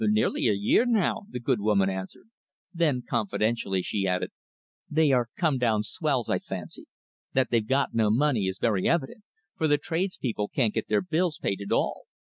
"Nearly a year now," the good woman answered. Then, confidentially, she added, "They are come down swells, I fancy. That they've got no money is very evident, for the tradespeople can't get their bills paid at all.